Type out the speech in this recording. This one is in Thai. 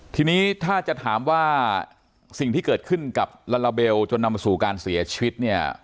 ทีนี้ถ้าจะถามว่าสิ่งที่เกิดขึ้นกับลาลาเบลจนนำมาสู่การเสียชีวิตเนี่ย